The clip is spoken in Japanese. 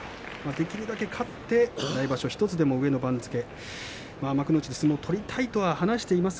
できるだけ勝って来場所１つでも上の番付幕内で相撲を取りたいという話をしています。